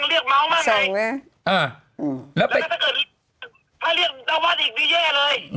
เขาเรียกผมเป็นเลโอ้มากเรียกเมาส์มากเลยแล้วถ้าเรียกตะวัดอีกดีแย่เลย